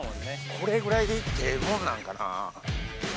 これぐらいで行ってええもんなんかなぁ？